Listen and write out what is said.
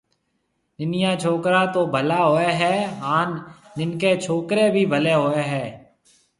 ننَيان ڇوڪرا تو ڀلا هوئي هيَ هانَ ننڪيَ ڇوڪريَ بي ڀليَ هوئي هيَ۔